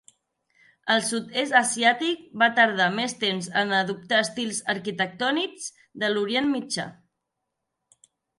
El sud-est asiàtic va tardar més temps en adoptar els estils arquitectònics de l'Orient Mitjà.